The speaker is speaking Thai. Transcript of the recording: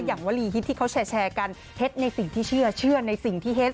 วลีฮิตที่เขาแชร์กันเฮ็ดในสิ่งที่เชื่อเชื่อในสิ่งที่เฮ็ด